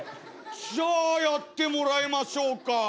じゃあやってもらいましょうか。